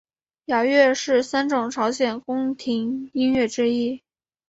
雅乐是三种朝鲜宫廷音乐之一。